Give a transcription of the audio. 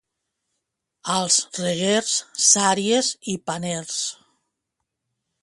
Als Reguers, sàries i paners.